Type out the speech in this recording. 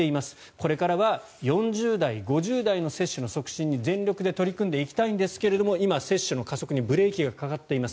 これからは４０代、５０代の接種の促進に全力で取り組んでいきたいんですけれども今、接種の加速にブレーキがかかっています。